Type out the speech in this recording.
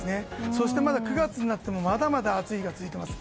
そして９月になってもまだまだ暑い日が続いています。